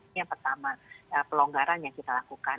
ini yang pertama pelonggaran yang kita lakukan